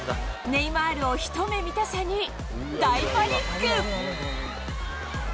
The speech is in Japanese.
ネイマールを一目見たさに、大パニック。